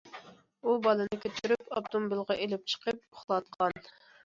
ئۇ بالىنى كۆتۈرۈپ ئاپتوموبىلىغا ئېلىپ چىقىپ ئۇخلاتقان.